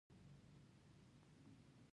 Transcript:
علاوالدین د دې خبر په اوریدو پریشان نه شو.